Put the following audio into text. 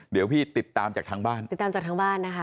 เดี๋ยวพี่ติดตามจากทางบ้านติดตามจากทางบ้านนะคะ